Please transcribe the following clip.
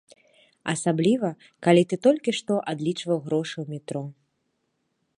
Асабліва калі ты толькі што адлічваў грошы ў метро.